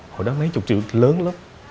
hồi đó mấy chục triệu lớn lắm